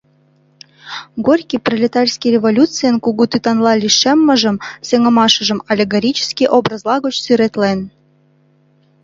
Горький пролетарский революцийын кугу тӱтанла лишеммыжым, сеҥымыжым аллегорический образла гоч сӱретлен.